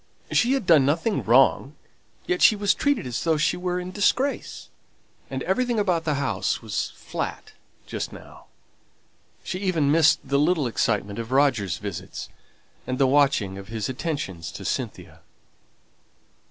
She had done nothing wrong; yet she was treated as though she were in disgrace. And everything about the house was flat just now. She even missed the little excitement of Roger's visits, and the watching of his attentions to Cynthia.